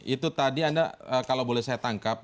itu tadi anda kalau boleh saya tangkap